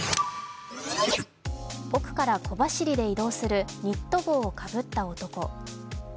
奥から小走りで移動するニット帽をかぶった男。